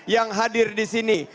yang hadir di sini